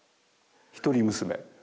一人娘。